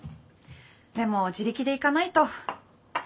でも自力で行かないと。